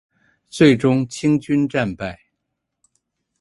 最终清军战败。